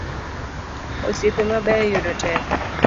Osiepe mabeyo yudo tek